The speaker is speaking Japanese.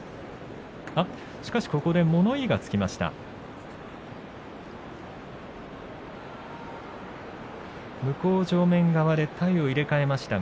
ここで物言いがつきました。